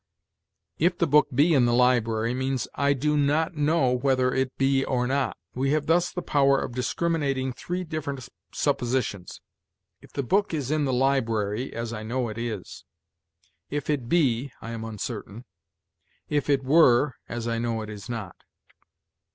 "'If the book be in the library,' means, 'I do not know whether it be or not.' We have thus the power of discriminating three different suppositions. 'If the book is in the library' (as I know it is); 'if it be' (I am uncertain); 'if it were' (as I know it is not).